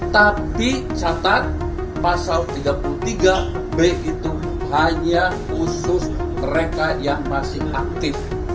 tapi catat pasal tiga puluh tiga b itu hanya khusus mereka yang masih aktif